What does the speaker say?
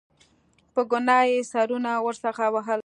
په ګناه یې سرونه ورڅخه وهل.